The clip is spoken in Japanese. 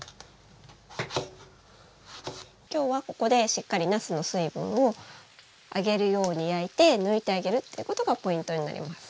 今日はここでしっかりなすの水分を揚げるように焼いて抜いてあげるっていうことがポイントになります。